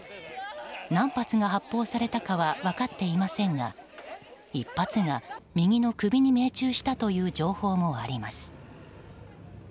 何発が発砲されたかは分かっていませんが１発が右の首に命中したとの情報もあります。